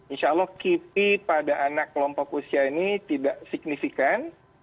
insya allah kipi pada anak kelompok usia ini tidak signifikan